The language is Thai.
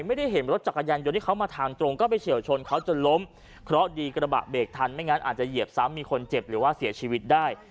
ไม่ได้เห็นรถจักรยานยนต์ที่เขามาทางตรงก็ไปเฉียวชนเขาจนล้มเพราะดีกระบะเบรกทันไม่งั้นอาจจะเหยียบซ้ำมีคนเจ็บหรือว่าเสียชีวิตได้